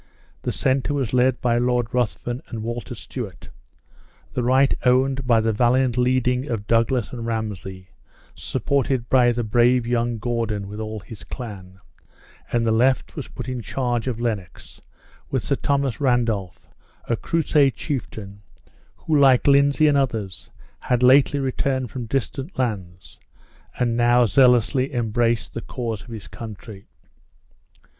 The center was led by Lord Ruthven and Walter Stewart; the right owned by the valiant leading of Douglas and Ramsay, supported by the brave young Gordon with all his clan; and the left was put in charge of Lennox, with Sir Thomas Randolph, a crusade chieftain, who, like Lindsay and others, had lately returned from distant lands, and now zealously embraced the cause of his country.